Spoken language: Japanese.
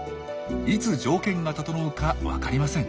いつ条件が整うか分かりません。